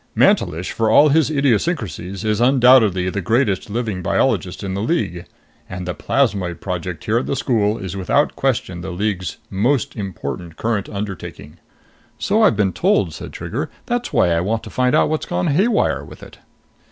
Mantelish, for all his idiosyncrasies, is undoubtedly the greatest living biologist in the League. And the Plasmoid Project here at the school is without question the League's most important current undertaking." "So I've been told," said Trigger. "That's why I want to find out what's gone haywire with it."